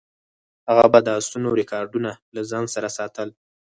هغه به د اسونو ریکارډونه له ځان سره ساتل.